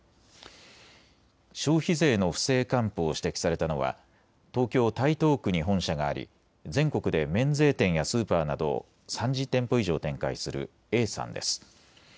消費税の不正還付を指摘されたのは東京台東区に本社があり全国で免税店やスーパーなどを３０店舗以上展開する永山です。